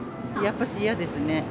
やっぱし嫌ですね。